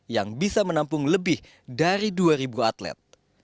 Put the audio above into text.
yang bisa menampung lebih dari dua ribu atlet